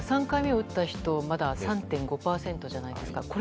３回目を打った人まだ３．５％じゃないですか。